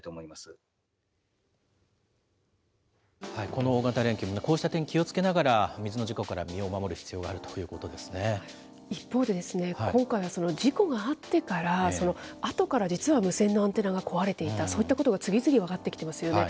この大型連休、こうした点、気をつけながら、水の事故から身を守る必要があると一方で、今回は事故があってから、あとから実は無線のアンテナが壊れていた、そういったことが次々分かってきてますよね。